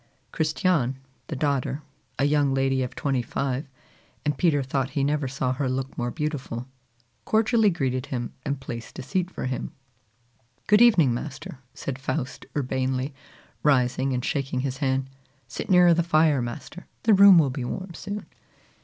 Christiane, the daughter, a young lady of twenty five, and Peter thought he never saw her look more beautiful, cordially greeted him, and placed a seat for him. "Good evening, master!" said Faust urbanely, rising and shaking his hand. "Sit nearer the fire, master; the room will be warm soon."